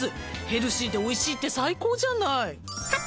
「ヘルシーでおいしいって最高じゃない」